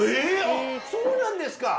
あっそうなんですか。